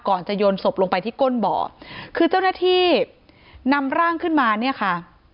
จะโยนศพลงไปที่ก้นบ่อคือเจ้าหน้าที่นำร่างขึ้นมาเนี่ยค่ะ